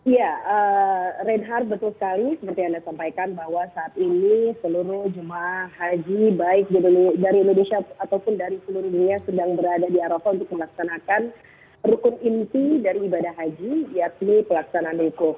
ya reinhardt betul sekali seperti yang anda sampaikan bahwa saat ini seluruh jemaah haji baik dari indonesia ataupun dari seluruh dunia sedang berada di arafah untuk melaksanakan rukun inti dari ibadah haji yakni pelaksanaan hukum